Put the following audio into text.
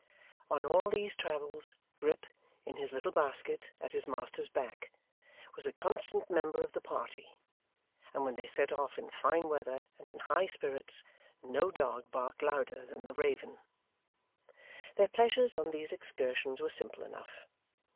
On all these travels, Grip, in his little basket at his master's back, was a constant member of the party, and when they set off in fine weather and in high spirits, no dog barked louder than the raven. Their pleasures on these excursions were simple enough.